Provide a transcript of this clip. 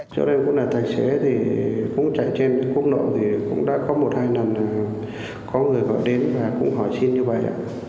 chỗ này cũng là thạch xế cũng chạy trên quốc lộ cũng đã có một hai lần có người gọi đến và cũng hỏi xin như vậy